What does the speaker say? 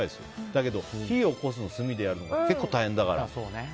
だけど、火を起こすのを炭でやるのも結構大変だから。